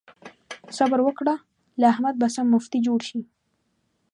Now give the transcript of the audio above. صبر وکړه؛ له احمده به سم مفتي جوړ شي.